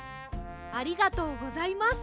ありがとうございます。